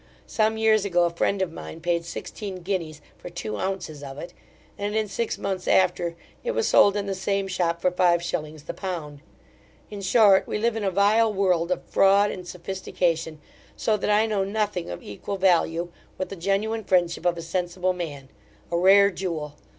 Some years ago a friend of mine paid sixteen guineas for two ounces of it; and, in six months after, it was sold in the same shop for five shillings the pound. In short, we live in a vile world of fraud and sophistication; so that I know nothing of equal value with the genuine friendship of a sensible man; a rare jewel!